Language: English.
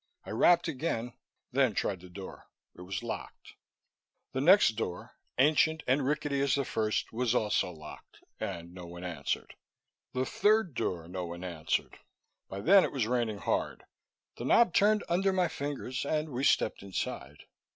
I rapped again, then tried the door. It was locked. The next door ancient and rickety as the first was also locked, and no one answered. The third door, no one answered. By then it was raining hard; the knob turned under my fingers, and we stepped inside.